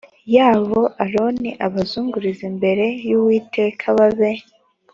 yabo aroni abazungurize imbere y uwiteka babe